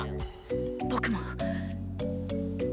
僕も。